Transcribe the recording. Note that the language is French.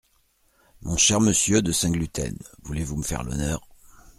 Mon cher monsieur de Saint-Gluten, voulez-vous me faire l’honneur…